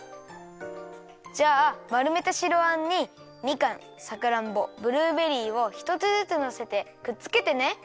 じゃあまるめた白あんにみかんさくらんぼブルーベリーをひとつずつのせてくっつけてね。